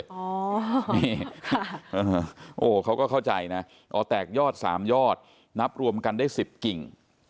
โอ้โหเขาก็เข้าใจนะอ๋อแตกยอด๓ยอดนับรวมกันได้๑๐กิ่ง